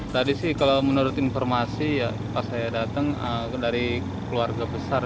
tadi sih kalau menurut informasi ya pas saya datang dari keluarga besar